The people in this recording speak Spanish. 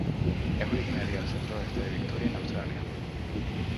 Es originaria del centro oeste de Victoria en Australia.